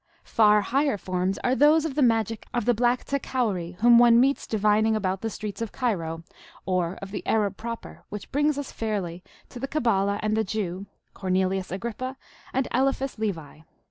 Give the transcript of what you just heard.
Far higher forms are those of the magic of the black Takowri whom one meets divining about the streets of Cairo, or of the Arab proper, which brings us fairly to the Cabala and the Jew, Cornelius Agrippa and Eliphas Levi.